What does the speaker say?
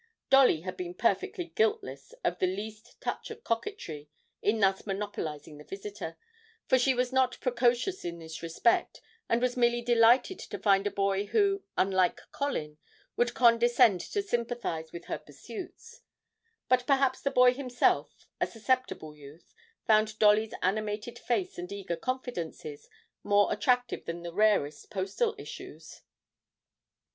Dolly had been perfectly guiltless of the least touch of coquetry in thus monopolising the visitor, for she was not precocious in this respect, and was merely delighted to find a boy who, unlike Colin, would condescend to sympathise with her pursuits; but perhaps the boy himself, a susceptible youth, found Dolly's animated face and eager confidences more attractive than the rarest postal issues.